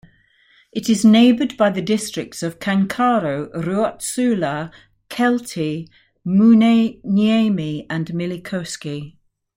It is neighbored by the districts of Kankaro, Ruotsula, Keltti, Muhniemi and Myllykoski.